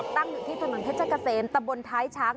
ตั้งอยู่ที่ถนนเพชรเกษมตะบนท้ายช้าง